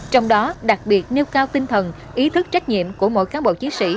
trong đó đặc biệt nêu cao tinh thần ý thức trách nhiệm của mỗi cán bộ chiến sĩ